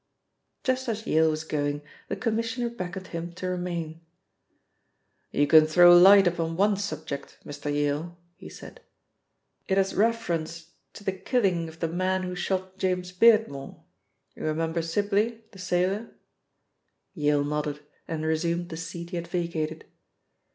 Just as Yale was going the Commissioner beckoned him to remain. "You can throw light upon one subject, Mr. Yale," he said. "It has reference to the killing of the man who shot James Beardmore: you remember Sibly, the sailor." Yale nodded, and resumed the seat he had vacated.